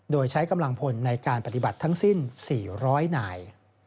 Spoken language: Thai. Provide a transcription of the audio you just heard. โดยใช้กำลังพลในการปฏิบัติทั้งสิ้น๔๐๐นาย